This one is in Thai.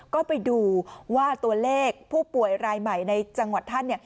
ก็ไปดูว่าตัวเลขผู้ป่วยรายใหม่ในจังหวัดท่าน